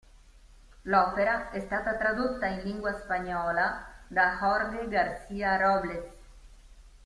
L'opera è stata tradotta in lingua spagnola da Jorge García-Robles.